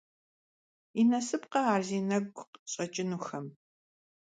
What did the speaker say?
И насыпкъэ ар зи нэгу щӀэкӀынухэм?!